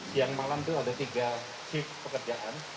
siang malam itu ada tiga shift pekerjaan